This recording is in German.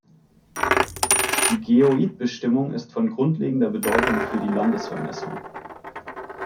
Die Geoidbestimmung ist von grundlegender Bedeutung für die Landesvermessung.